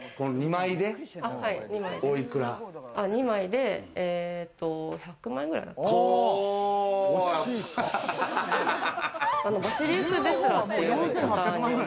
２枚で１００万円くらいかな？